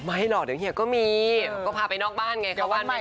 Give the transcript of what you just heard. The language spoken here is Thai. หรอกเดี๋ยวเฮียก็มีก็พาไปนอกบ้านไงเข้าบ้านใหม่